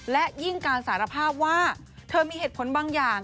และยิ่งการสารภาพว่าเธอมีเหตุผลบางอย่าง